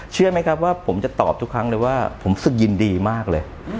เชื่อไหมครับว่าผมจะตอบทุกครั้งเลยว่าผมรู้สึกยินดีมากเลย